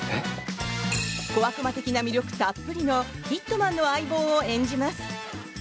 小悪魔的な魅力たっぷりのヒットマンの相棒を演じます。